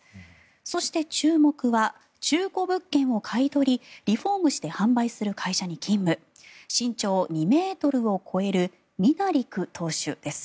そして、注目は中古物件を買い取りリフォームして販売する会社に勤務身長２ｍを超えるミナリク投手です。